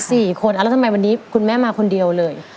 สี่คนอ่าแล้วทำไมวันนี้คุณแม่มาคนเดียวเลย